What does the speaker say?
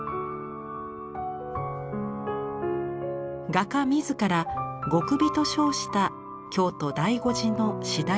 画家自ら「極美」と称した京都醍醐寺のしだれ桜。